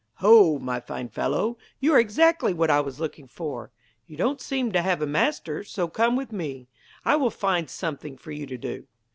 'Ho! my fine fellow, you are exactly what I was looking for! You don't seem to have a master, so come with me. I will find something for you to do.'